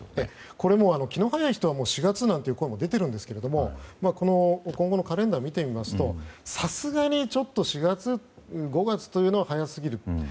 これもう気の早い人は４月という声も出ているんですが今後のカレンダーを見てますとさすがに４月、５月は早すぎると。